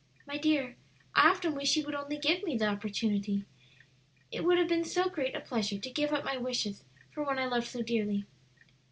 "My dear, I often wished he would only give me the opportunity; it would have been so great a pleasure to give up my wishes for one I loved so dearly."